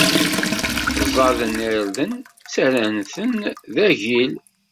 Ẓẓaden irden, ttarran-ten d agil.